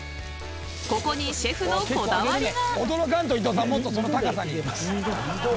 ここにシェフのこだわりが。